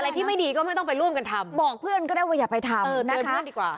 ที่ไม่ดีก็ไม่ต้องไปร่วมกันทำบอกเพื่อนก็ได้ว่าอย่าไปทำนะคะดีกว่า